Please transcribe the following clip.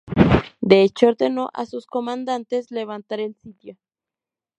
De hecho ordenó a sus comandantes levantar el sitio.